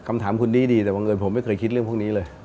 คำถามคุณดีแต่บังเอิญผมไม่เคยคิดเรื่องพวกนี้เลย